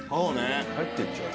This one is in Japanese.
入っていっちゃう。